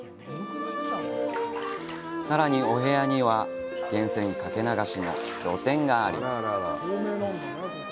さらに、お部屋には源泉かけ流しの露天があります。